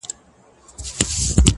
لکه لېوه یې نه ګورې چاته!